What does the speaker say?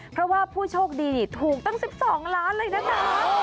เพราะว่าผู้โชคดีถูกตั้ง๑๒ล้านเลยนะคะ